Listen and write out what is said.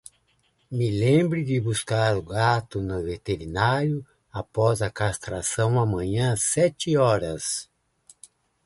Me lembre de buscar o gato no veterinário após a castração amanhã sete horas.